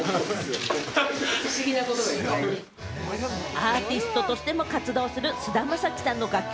アーティストとしても活動する菅田将暉さんの楽曲